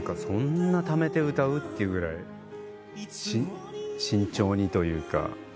「そんなためて歌う？」っていうぐらい慎重にというか。